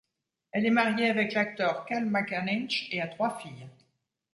Elle est mariée avec l'acteur Cal MacAninch et a trois filles.